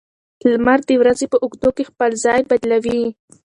لمر د ورځې په اوږدو کې خپل ځای بدلوي.